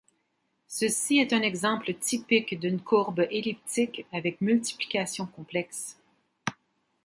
Ceci est un exemple typique d'une courbe elliptique avec multiplication complexe.